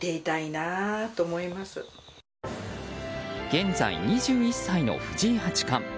現在２１歳の藤井八冠。